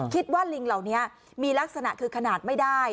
ลิงเหล่านี้มีลักษณะคือขนาดไม่ได้